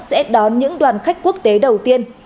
sẽ đón những đoàn khách quốc tế đầu tiên